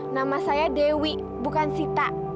nama saya dewi bukan sita